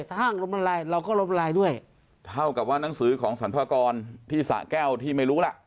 ห้างล้มละลายเราก็ล้มลายด้วยเท่ากับว่านังสือของสรรพากรที่สะแก้วที่ไม่รู้ล่ะ